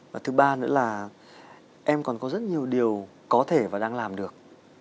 và thứ ba nữa là em còn có rất nhiều điều có thể và đang làm được